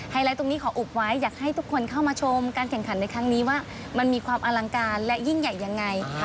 ไลท์ตรงนี้ขออุบไว้อยากให้ทุกคนเข้ามาชมการแข่งขันในครั้งนี้ว่ามันมีความอลังการและยิ่งใหญ่ยังไง